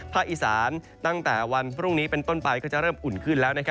อีสานตั้งแต่วันพรุ่งนี้เป็นต้นไปก็จะเริ่มอุ่นขึ้นแล้ว